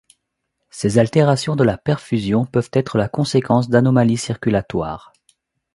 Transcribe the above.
Ces altérations de la perfusion peuvent être la conséquence d'anomalies circulatoires.